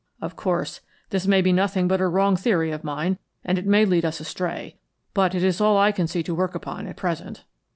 Of course, this may be nothing but a wrong theory of mine, and it may lead us astray, but it is all I can see to work upon at present."